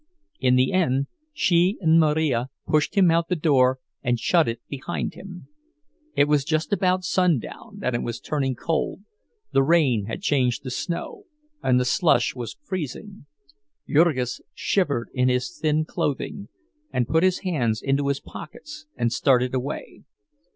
In the end she and Marija pushed him out of the door and shut it behind him. It was just about sundown, and it was turning cold—the rain had changed to snow, and the slush was freezing. Jurgis shivered in his thin clothing, and put his hands into his pockets and started away.